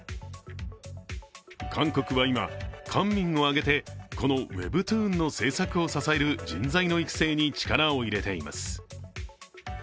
韓国は今、官民を挙げてこのウェブトゥーンの制作を支える人材の育成に力を入れています。